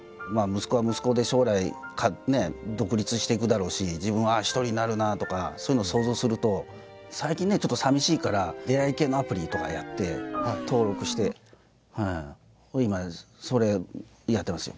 息子は息子で将来独立していくだろうし自分は一人になるなあとかそういうのを想像すると最近ねちょっと寂しいから出会い系のアプリとかやって登録して今それやってますよ